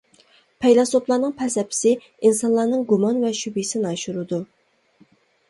پەيلاسوپلارنىڭ پەلسەپىسى ئىنسانلارنىڭ گۇمان ۋە شۈبھىسىنى ئاشۇرىدۇ.